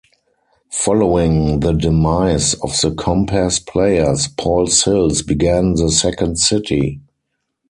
Following the demise of the Compass Players, Paul Sills began The Second City.